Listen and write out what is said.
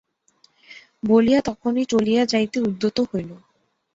বলিয়া তখনি চলিয়া যাইতে উদ্যত হইল।